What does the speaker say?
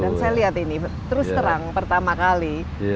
dan saya lihat ini terus terang pertama kali